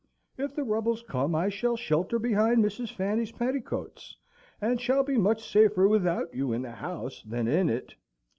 If the rebels come, I shall shelter behind Mrs. Fanny's petticoats, and shall be much safer without you in the house than in it."